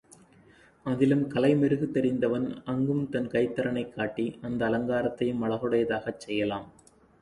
அதிலும் கலை மெருகு தெரிந்தவன் அங்கும் தன் கைத்திறனைக் காட்டி அந்த அலங்காரத்தையும் அழகுடையதாகச் செய்யலாம்.